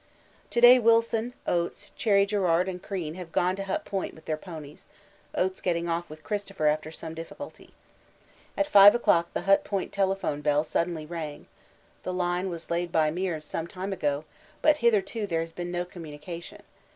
To day Wilson, Oates, Cherry Garrard, and Crean have gone to Hut Point with their ponies, Oates getting off with Christopher after some difficulty. At 5 o'clock the Hut Point telephone bell suddenly rang (the line was laid by Meares some time ago, but hitherto there has been no communication).